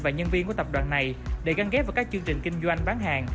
và nhân viên của tập đoàn này để gắn ghép vào các chương trình kinh doanh bán hàng